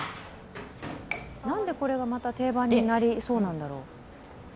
なんでこれがまた定番になりそうなんだろう？